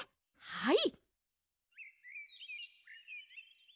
はい！